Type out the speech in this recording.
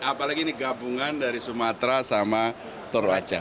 apalagi ini gabungan dari sumatera sama toraja